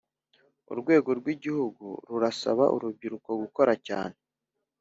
urwego rw igihugu rurasaba urubyiruko gukora cyane